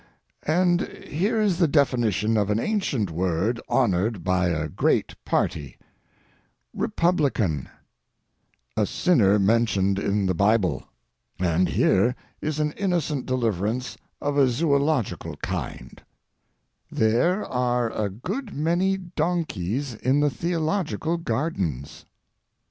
And here is the definition of an ancient word honored by a great party: Republican—a sinner mentioned in the Bible. And here is an innocent deliverance of a zoological kind: "There are a good many donkeys in the theological gardens."